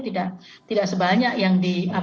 tidak sebanyak yang di